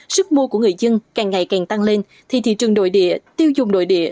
sức mua của người dân càng ngày càng tăng lên thì thị trường nội địa tiêu dùng nội địa